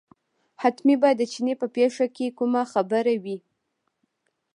حتمي به د چیني په پېښه کې کومه خبره وي.